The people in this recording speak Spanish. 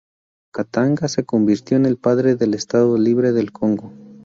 Katanga se convirtió en parte del Estado Libre del Congo.